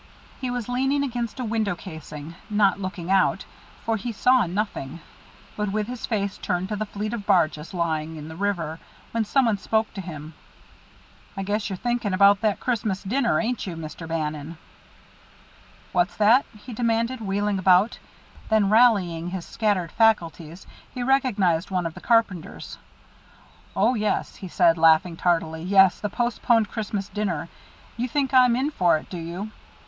He was leaning against a window casing; not looking out, for he saw nothing, but with his face turned to the fleet of barges lying in the river; when some one spoke to him. "I guess you're thinking about that Christmas dinner, ain't you, Mr. Bannon?" "What's that?" he demanded, wheeling about. Then rallying his scattered faculties, he recognized one of the carpenters. "Oh, yes," he said, laughing tardily. "Yes, the postponed Christmas dinner. You think I'm in for it, do you?